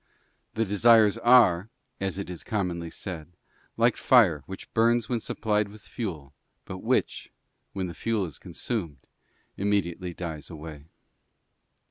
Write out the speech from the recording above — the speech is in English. The desires are, as it is commonly said, like fire which burns when sup plied with fuel, but which, when the fuel is consumed, im mediately dies away.